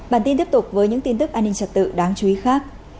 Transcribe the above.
bản tin tiếp tục với những tin tức an ninh trật tự đáng chú ý khác